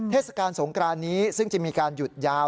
เทศกาลสงกรานนี้ซึ่งจะมีการหยุดยาว